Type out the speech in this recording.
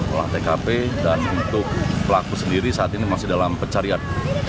olah tkp dan untuk pelaku sendiri saat ini masih dalam pencarian